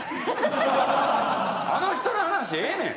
あの人の話ええねん！